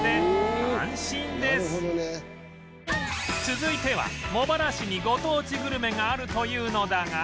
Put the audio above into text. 続いては茂原市にご当地グルメがあるというのだが